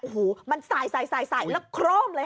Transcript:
โอ้โหมันสายแล้วโคร่มเลยค่ะ